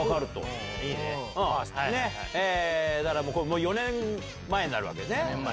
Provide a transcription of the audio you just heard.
だからこれ４年前になるわけね。